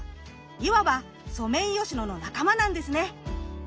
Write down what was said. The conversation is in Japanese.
いわばソメイヨシノの仲間なんですね。